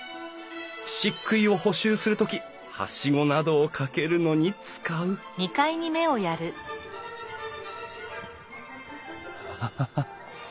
漆喰を補修する時はしごなどをかけるのに使うハハハ。